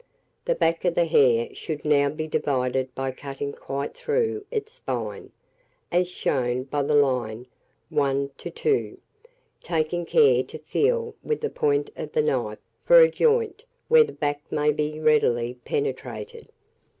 The back of the hare should now be divided by cutting quite through its spine, as shown by the line 1 to 2, taking care to feel with the point of the knife for a joint where the back may be readily penetrated.